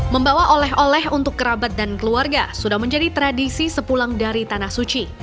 membawa oleh oleh untuk kerabat dan keluarga sudah menjadi tradisi sepulang dari tanah suci